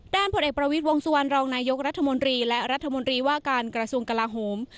ผลเอกประวิทย์วงสุวรรณรองนายกรัฐมนตรีและรัฐมนตรีว่าการกระทรวงกลาโหม